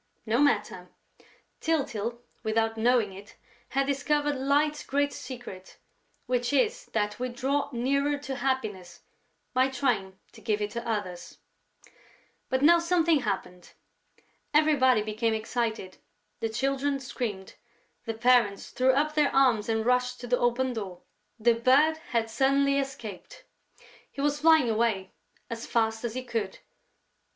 No matter! Tyltyl, without knowing it, had discovered Light's great secret, which is that we draw nearer to happiness by trying to give it to others. But now something happened. Everybody became excited, the Children screamed, the parents threw up their arms and rushed to the open door: the Bird had suddenly escaped! He was flying away as fast as he could.